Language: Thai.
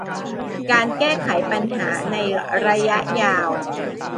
การแก้ไขปัญหาในระยะยาว